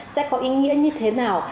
sẽ có ý nghĩa như thế nào